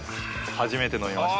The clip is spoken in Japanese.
初めて飲みました。